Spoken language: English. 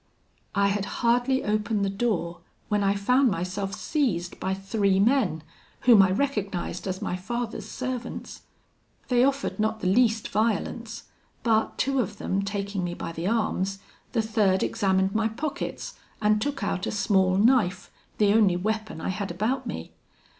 "I had hardly opened the door, when I found myself seized by three men, whom I recognised as my father's servants. They offered not the least violence, but two of them taking me by the arms, the third examined my pockets, and took out a small knife, the only weapon I had about me.